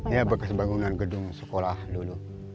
ya bekas bangunan gedung sekolah dulu